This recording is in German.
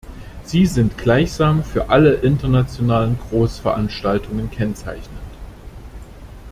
Sie sind gleichsam für alle internationalen Großveranstaltungen kennzeichnend.